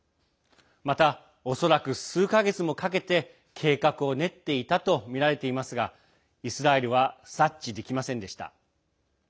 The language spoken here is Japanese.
また、恐らく数か月もかけて計画を練っていたとみられていますがイスラエルは察知できませんでした。